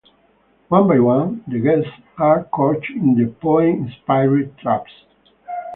One by one, the guests are caught in the Poe-inspired traps.